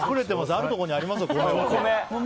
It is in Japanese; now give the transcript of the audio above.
あるところにありますよ。